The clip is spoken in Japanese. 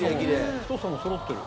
太さもそろってる。